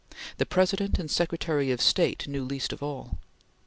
The President and Secretary of State knew least of all.